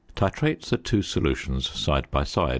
Titrate the two solutions side by side.